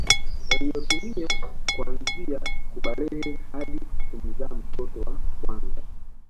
waliotumia kuanzia kubalehe hadi kumzaa mtoto wa kwanza